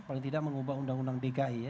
paling tidak mengubah undang undang dki ya